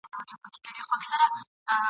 پر کیسو یې ساندي اوري د پېړیو جنازې دي !.